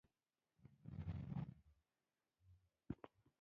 • سترګې د ټولو انسانانو ژوند یوه لازمي برخه ده.